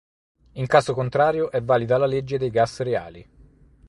In caso contrario è valida la legge dei gas reali.